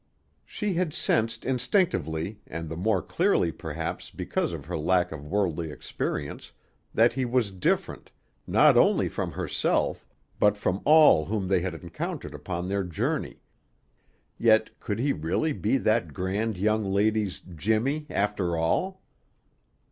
She had sensed instinctively, and the more clearly perhaps because of her lack of worldly experience, that he was different, not only from herself, but from all whom they had encountered upon their journey, yet could he really be that grand young lady's "Jimmie," after all?